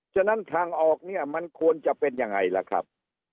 ฉะนั้นทางออกเนี่ยมันควรจะเป็นยังไงล่ะครับ